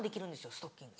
ストッキング。